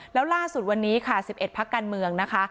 แล้วล่าสุดวันนี้ค่ะ๑๑พักการเมืองนะคะ